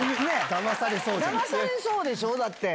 だまされそうでしょ、だって。